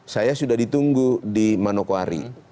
saya sudah ditunggu di manokwari